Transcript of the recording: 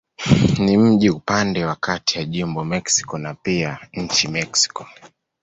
Ni mji upande wa kati ya jimbo Mexico na pia nchi Mexiko.